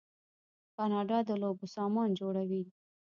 کاناډا د لوبو سامان جوړوي.